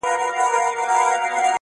په لړمانو په مارانو کي به شپې تېروي -